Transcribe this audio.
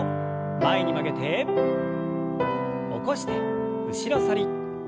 前に曲げて起こして後ろ反り。